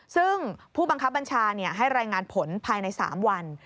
ซึ่งผู้บังคับบัญชาให้รายงานผลภายใน๓วัน